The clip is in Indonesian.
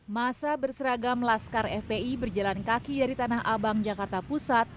masa berseragam laskar fpi berjalan kaki dari tanah abang jakarta pusat